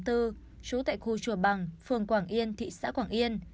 trú tại khu chùa bằng phường quảng yên thị xã quảng yên